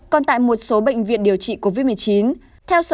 còn tại một số bệnh viện điều trị covid một mươi chín